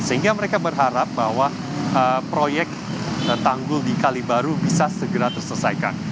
sehingga mereka berharap bahwa proyek tanggul di kalibaru bisa segera terselesaikan